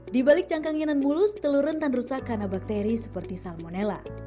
di balik cangkangnyaan mulus telur rentan rusak karena bakteri seperti salmonella